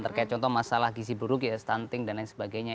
terkait contoh masalah gizi buruk ya stunting dan lain sebagainya